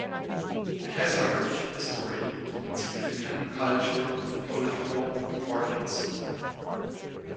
It has a rich history and significant cultural and political importance.